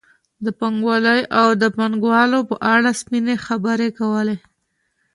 د پانګوالۍ او پانګوالو په اړه سپینې خبرې کولې.